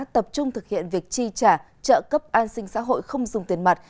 tập trung thực hiện việc chi trả trợ cấp an sinh xã hội không dùng tiền mặt